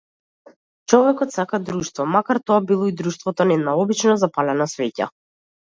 Човекот сака друштво, макар тоа било и друштвото на една обична запалена свеќа.